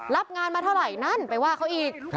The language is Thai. รับงานมาเท่าไหร่นั่นไปว่าเขาอีก